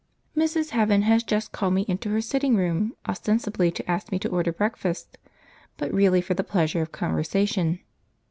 Mrs. Heaven has just called me into her sitting room, ostensibly to ask me to order breakfast, but really for the pleasure of conversation.